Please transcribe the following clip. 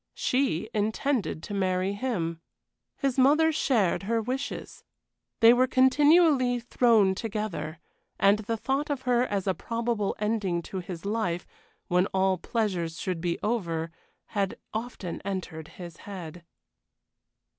She intended to marry him. His mother shared her wishes. They were continually thrown together, and the thought of her as a probable ending to his life when all pleasures should be over had often entered his head.